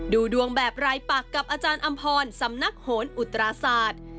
ดูดวงแบบรายปักกับอาจารย์อำพรสำนักโหนอุตราศาสตร์